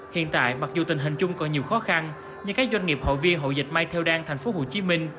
hiện tại mặc dù tình hình chung còn nhiều khó khăn nhưng các doanh nghiệp hội viên hội dịch may theo đan tp hcm